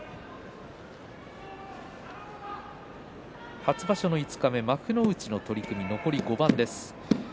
初場所の五日目幕内の取組、残り５番です。